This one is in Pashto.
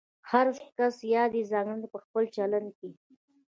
هر کس یادې ځانګړنې په خپل چلند کې